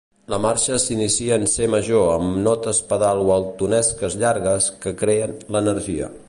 La marxa s'inicia en C major amb notes pedal waltonesques llargues, que creen l'energia.